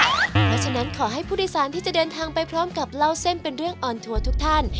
เพราะฉะนั้นขอให้ผู้โดยสารที่จะเดินทางไปพร้อมกับเล่าเส้นเป็นเรื่องออนทัวร์ทุกท่าน